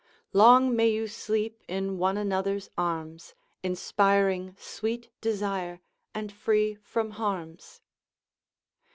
Long may you sleep in one another's arms, Inspiring sweet desire, and free from harms.